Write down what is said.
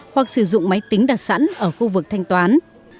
hoặc sử dụng máy tính đặt sẵn ở khu vực thanh toán